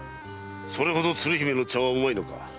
それほど鶴姫の茶はうまいのか？